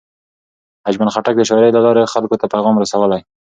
اجمل خټک د شاعرۍ له لارې خلکو ته پیام رسولی.